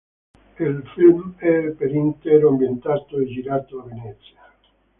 Il film è per intero ambientato e girato a Venezia.